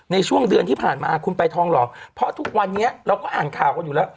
ในช่วงเดือนที่ผ่านมาคุณไปทองหล่อเพราะทุกวันนี้เราก็อ่านข่าวกันอยู่แล้ว